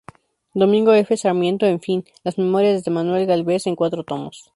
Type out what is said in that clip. Domingo F. Sarmiento, En fin, las Memorias de Manuel Gálvez en cuatro tomos.